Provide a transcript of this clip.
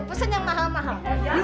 pesen yang mahal mahal